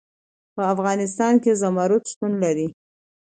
په افغانستان کې زمرد شتون لري.